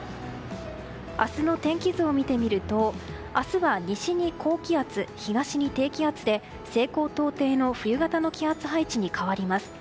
明日の天気図を見てみると明日は西に高気圧東に低気圧で、西高東低の冬型の気圧配置に変わります。